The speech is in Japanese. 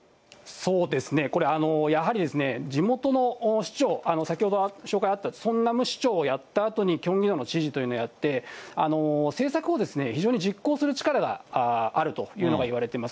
そうですね、これやはりですね、地元の市長、先ほど紹介あったソンナム市長をやったあとに、キョンギ道の知事というのをやって、政策をですね、非常に実行する力があるというのが言われています。